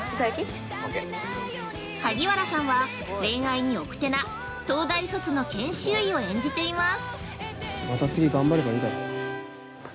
萩原さんは、恋愛に奥手な東大卒の研修医を演じています。